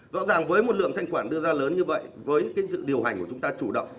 rõ ràng với một lượng thanh quản đưa ra lớn như vậy với sự điều hành của chúng ta chủ động